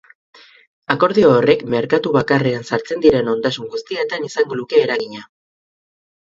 Akordio horrek merkatu bakarrean sartzen diren ondasun guztietan izango luke eragina.